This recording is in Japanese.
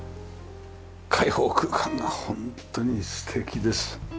開放空間が本当に素敵です。